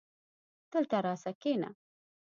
دلته راسه کينه